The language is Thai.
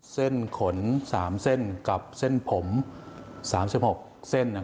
เส้นขน๓เส้นกับเส้นผม๓๖เส้น